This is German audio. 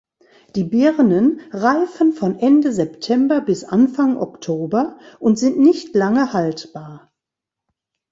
Die Birnen reifen von Ende September bis Anfang Oktober und sind nicht lange haltbar.